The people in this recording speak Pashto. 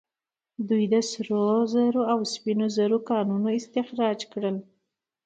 دوی د سرو او سپینو زرو کانونه استخراج کړل